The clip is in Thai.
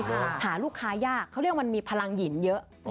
หาลูกค้ายากเขาเรียกมันมีพลังหินเยอะ